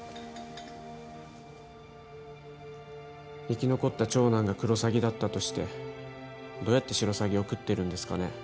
生き残った長男がクロサギだったとしてどうやってシロサギを喰ってるんですかね？